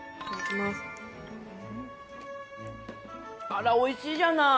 あら美味しいじゃない。